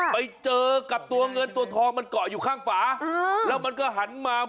ไปเจอกับตัวเงินตัวทองมันเกาะอยู่ข้างฝา